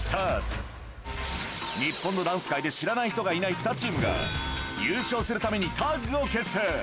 日本のダンス界で知らない人がいない２チームが、優勝するためにタッグを結成。